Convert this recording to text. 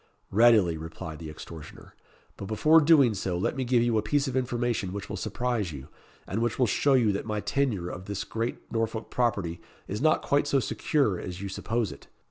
"Readily," replied the extortioner. "But before doing so let me give you a piece of information which will surprise you, and which will show you that my tenure of this great Norfolk property is not quite so secure as you suppose it.